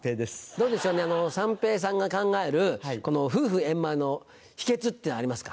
どうでしょうね三平さんが考える夫婦円満の秘訣っていうのありますか？